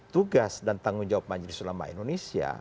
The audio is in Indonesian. tugas dan tanggung jawab majelis ulama indonesia